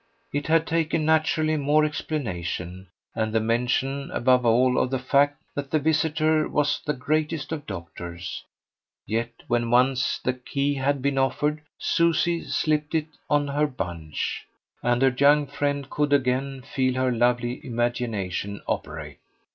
It had taken, naturally, more explanation, and the mention, above all, of the fact that the visitor was the greatest of doctors; yet when once the key had been offered Susie slipped it on her bunch, and her young friend could again feel her lovely imagination operate.